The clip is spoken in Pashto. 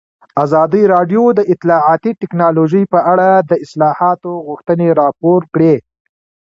ازادي راډیو د اطلاعاتی تکنالوژي په اړه د اصلاحاتو غوښتنې راپور کړې.